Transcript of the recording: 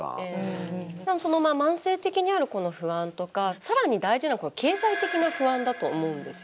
その慢性的にある不安とかさらに大事なのは経済的な不安だと思うんですよね。